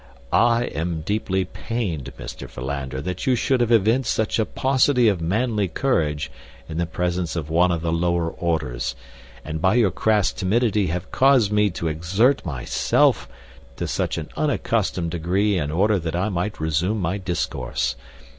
"I am deeply pained, Mr. Philander, that you should have evinced such a paucity of manly courage in the presence of one of the lower orders, and by your crass timidity have caused me to exert myself to such an unaccustomed degree in order that I might resume my discourse.